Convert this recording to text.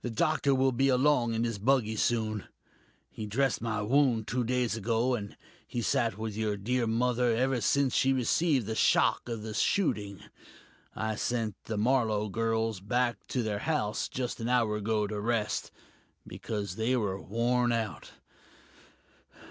The doctor will be along in his buggy soon. He dressed my wound, two days ago, and he sat with your dear mother ever since she received the shock of the shooting. I sent the Marlowe girls back to their house just an hour ago to rest, because they were worn out....